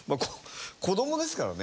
子どもですからね。